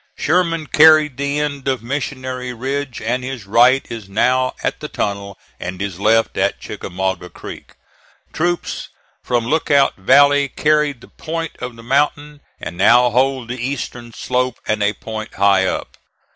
Sherman carried the end of Missionary Ridge, and his right is now at the tunnel, and his left at Chickamauga Creek. Troops from Lookout Valley carried the point of the mountain, and now hold the eastern slope and a point high up.